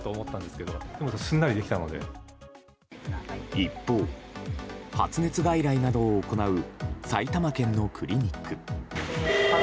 一方、発熱外来などを行う埼玉県のクリニック。